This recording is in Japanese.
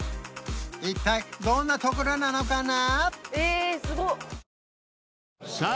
一体どんなところなのかな？